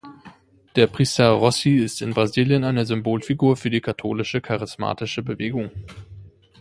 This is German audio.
Der Priester Rossi ist in Brasilien eine Symbolfigur für die katholische Charismatische Bewegung.